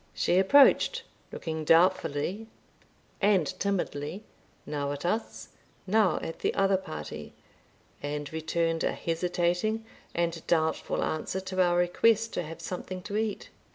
She approached, looking doubtfully and timidly, now at us, now at the other party, and returned a hesitating and doubtful answer to our request to have something to eat.